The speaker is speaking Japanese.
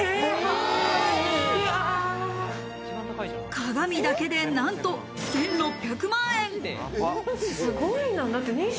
鏡だけでなんと１６００万円。